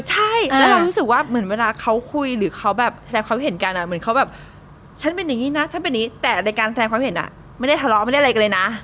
ใช่แล้วเรารู้สึกว่าเหมือนเวลาเขาคุยหรือเขาแบบเขาเห็นกันเหมือนเขาแบบฉันเป็นอย่างนี้นะฉันเป็นอย่างนี้แต่ในการแสดงความเห็นไม่ได้ทะเลาะไม่ได้อะไรกันเลยนะ